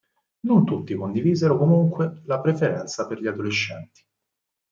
Non tutti condivisero comunque la preferenza per gli adolescenti.